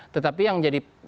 tetapi yang jadi